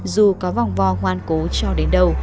dù có vòng vo hoan cố cho đến đâu